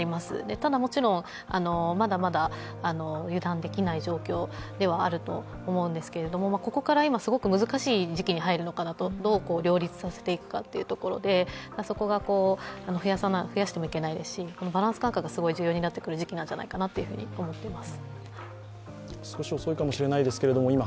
ただもちろん、まだまだ油断できない状況ではあると思うんですけれども、ここからすごく難しい時期に入るのかな、どう両立させていくかということでそこが増やしてはいけないですし、バランス感覚が重要になってくる時期なんじゃないかと思っています。